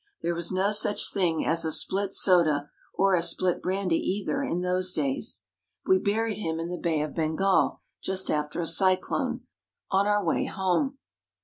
There was no such thing as a "split soda" or a split brandy either in those days. We buried him in the Bay of Bengal just after a cyclone, on our way home.